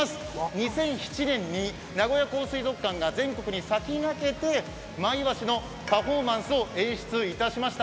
２００７年に名古屋港水族館が全国に先駆けてマイワシのパフォーマンスを演出いたしました。